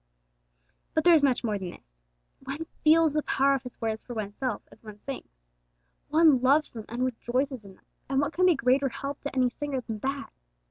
But there is much more than this. One feels the power of His words for oneself as one sings. One loves them and rejoices in them, and what can be greater help to any singer than that?